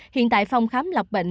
hiện tại phòng khám lọc bệnh